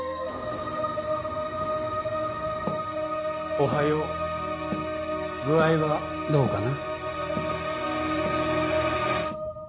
おはよう具合はどうかな？